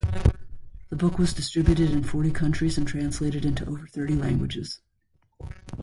The book was distributed in forty countries and translated into over thirty languages.